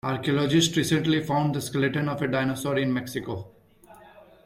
Archaeologists recently found the skeleton of a dinosaur in Mexico.